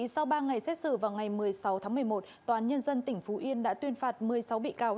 sau ba ngày xét xử vào ngày một mươi sáu tháng một mươi một tòa án nhân dân tỉnh phú yên đã tuyên phạt một mươi sáu bị cáo